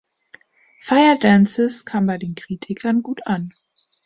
„Fire Dances“ kam bei den Kritikern gut an.